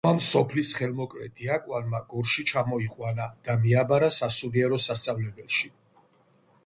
მამამ სოფლის ხელმოკლე დიაკვანმა გორში ჩამოიყვანა და მიაბარა სასულიერო სასწავლებელში.